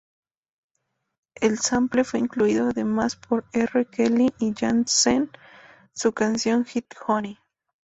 El sample fue incluido además por R. Kelly y Jay-Zen su canción hit "Honey".